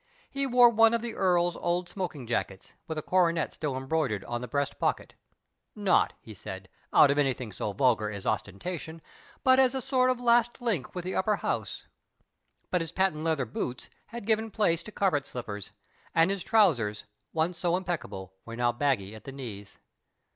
He wore one of the Earl's old smoking jackets, with a coronet still embroidered on the breast pocket — not, he said, out of anything so vulgar as ostentation, but as a sort of last link with the Upper House — but his patent leather boots had given place to car])et slippers, and his trousers, once so impeccable, were now baggy at the knees.